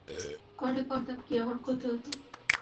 করলে করতাম, কি এমন ক্ষতি হতো?